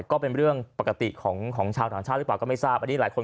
ก็เป็นเรื่องปกติของชาวต่างชาติหรือเปล่าก็ไม่ทราบอันนี้หลายคน